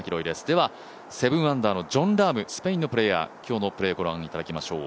では、７アンダーのジョン・ラーム、スペインのプレーヤー、今日のプレーご覧いただきましょう。